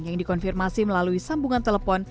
yang dikonfirmasi melalui sambungan telepon